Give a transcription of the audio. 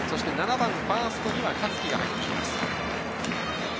７番ファーストには香月が入っています。